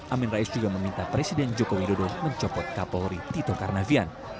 amin rais juga meminta presiden joko widodo mencopot kapolri tito karnavian